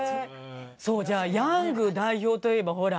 そうじゃあヤング代表といえばほら。